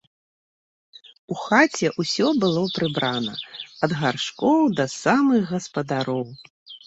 У хаце ўсё было прыбрана ад гаршкоў да самых гаспадароў.